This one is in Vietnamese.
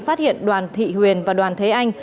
phát hiện đoàn thị huyền và đoàn thế anh